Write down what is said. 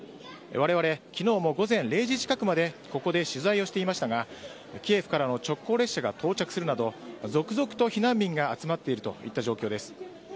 われわれ、昨日も午前０時近くまでここで取材をしていましたがキエフからの直行列車が到着するなど続々と避難民が集まっているといった状況です。